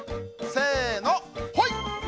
せのほい！